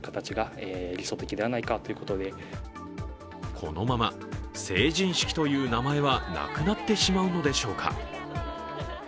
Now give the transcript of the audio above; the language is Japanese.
このまま成人式という名前はなくなってしまうのでしょうか。